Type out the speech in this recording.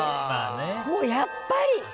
もう、やっぱり。